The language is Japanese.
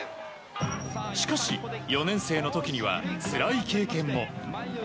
しかし、４年生の時にはつらい経験も。